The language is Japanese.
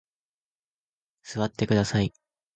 座ってください。